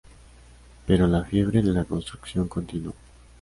Pero la fiebre de la construcción continuó.